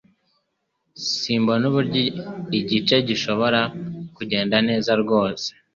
Simbona uburyo igice gishobora kugenda neza rwose